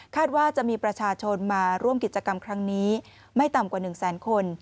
ว่าจะมีประชาชนมาร่วมกิจกรรมครั้งนี้ไม่ต่ำกว่า๑แสนคน